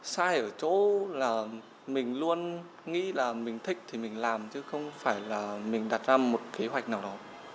sai ở chỗ là mình luôn nghĩ là mình thích thì mình làm chứ không phải là mình đặt ra một kế hoạch nào đó